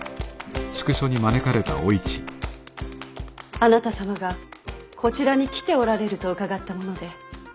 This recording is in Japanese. あなた様がこちらに来ておられると伺ったもので。